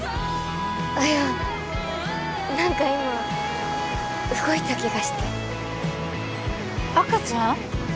いや何か今動いた気がして赤ちゃん？